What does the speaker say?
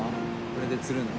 これで釣るの。